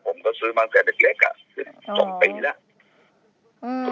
ผมก็ซื้อมันจากเด็กอ่ะซึ่ง๒ปีแล้ว